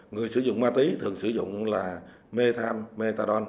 người sử dụng ma túy thường sử dụng là mê tham